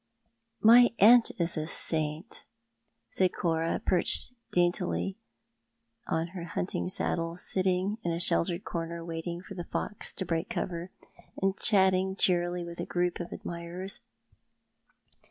"My aunt is a saint," said Cora, perched daintly on her hunting saddle, sitting in a sheltered corner waiting for the fox to break cover, and chatting cheerily with a group of admirera.